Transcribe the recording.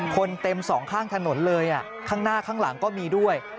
เต็มสองข้างถนนเลยข้างหน้าข้างหลังก็มีด้วย